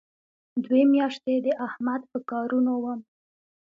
دوې میاشتې د احمد په کارونو وم.